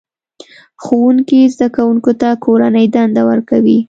ښوونکی زده کوونکو ته کورنۍ دنده ورکوي